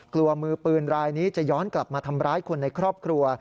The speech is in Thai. กลัวมือปืนรายนี้จะย้อนกลับมาทำร้ายคนในครอบครัว